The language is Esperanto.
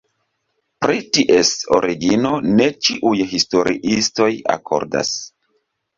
Pri ties origino ne ĉiuj historiistoj akordas.